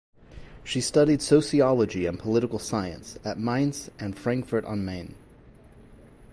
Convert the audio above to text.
She studied sociology and political science at Mainz and Frankfurt am Main.